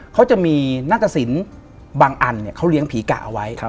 เขาจะมีหน้าตะสินบางอันเขาเลี้ยงผีกะเอาไว้